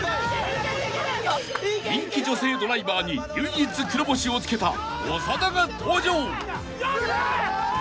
［人気女性ドライバーに唯一黒星をつけた長田が登場］